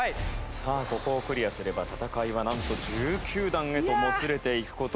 さあここをクリアすれば戦いはなんと１９段へともつれていく事になります。